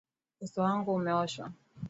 Uso wangu umeoshwa.